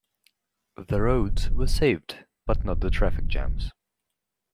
The roads were saved-but not the traffic jams.